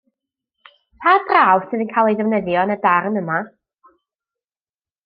Pa draw sydd yn cael ei ddefnyddio yn y darn yma?